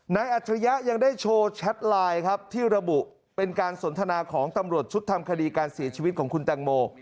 อัจฉริยะยังได้โชว์แชทไลน์ครับที่ระบุเป็นการสนทนาของตำรวจชุดทำคดีการเสียชีวิตของคุณแตงโม